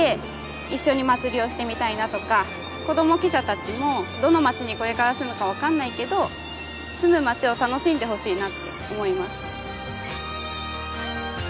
一緒に祭りをしてみたいなとか子ども記者たちもどの町にこれから住むかわからないけど住む町を楽しんでほしいなって思います。